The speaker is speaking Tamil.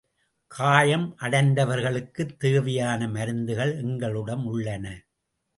காயம் அடைந்தவர்களுக்குத் தேவையான மருந்துகள் எங்களிடம் உள்ளன.